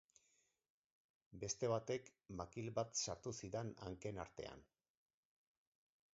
Beste batek makil bat sartu zidan hanken artean.